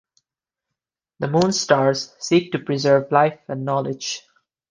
The Moonstars seek to preserve life and knowledge.